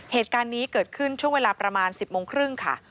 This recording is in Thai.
เหตุการณ์นี้เกิดขึ้นช่วงเวลาประมาณ๑๐โมงครึ่งค่ะ